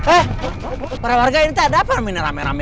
eh warga warga ini tak ada apa apa rame rame